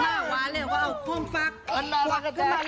มาน่ารักแก่มาน่ารักจริง